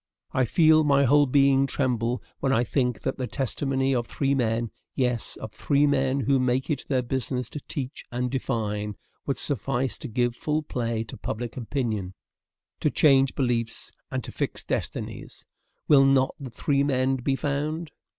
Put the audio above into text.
I feel my whole being tremble when I think that the testimony of three men yes, of three men who make it their business to teach and define would suffice to give full play to public opinion, to change beliefs, and to fix destinies. Will not the three men be found?...